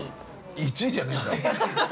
◆１位じゃねえんだ？